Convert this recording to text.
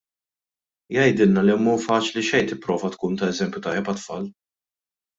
Jgħidilna li mhu faċli xejn tipprova tkun ta' eżempju tajjeb għat-tfal.